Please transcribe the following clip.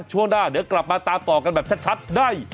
ช่วงหน้าเดี๋ยวกลับมาตามต่อกันแบบชัดได้